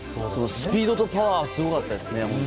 スピードとパワーがすごかったですね。